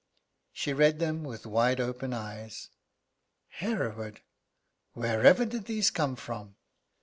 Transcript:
She read them with wide open eyes. "Hereward! Wherever did these come from?"